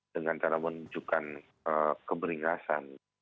dengan cara menunjukkan keberingasan